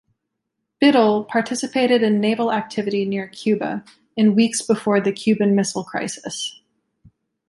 "Biddle" participated in naval activity near Cuba in weeks before the Cuban Missile Crisis.